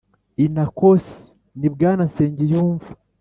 Inacos ni bwana nsengiyumvva